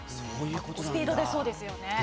スピード出そうですよね。